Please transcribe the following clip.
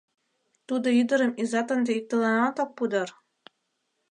— Тудо ӱдырым изат ынде иктыланат ок пу дыр?